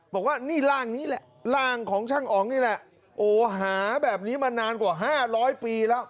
บอกว่านี่ร่างนี้แหละร่างของช่างอ๋องนี่แหละโอ้หาแบบนี้มานานกว่า๕๐๐ปีแล้ว